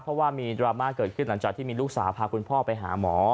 เพราะว่ามีดราม่าเกิดขึ้นหลังจากที่มีลูกสาวพาคุณพ่อไปหาหมอ